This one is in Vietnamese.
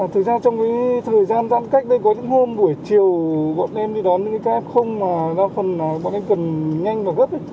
thực ra trong thời gian giãn cách đây có những hôm buổi chiều bọn em đi đón những cái f mà bọn em cần nhanh và gấp